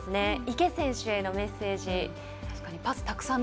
池選手へのメッセージ。